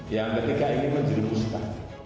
yang ketiga ingin menjadi pusat